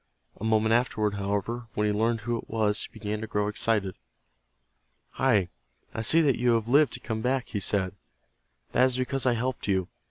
A moment afterward, however, when he learned who it was he began to grow excited. "Hi, I see that you have lived to come back," he said. "That is because I helped you.